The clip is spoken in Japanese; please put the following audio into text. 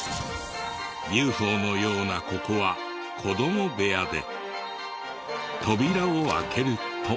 ＵＦＯのようなここは子ども部屋で扉を開けると。